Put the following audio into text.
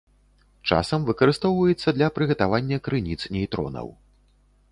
Часам выкарыстоўваецца для прыгатавання крыніц нейтронаў.